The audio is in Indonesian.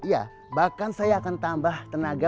ya bahkan saya akan tambah tenaga